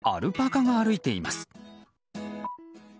なぜかアルパカが歩いています。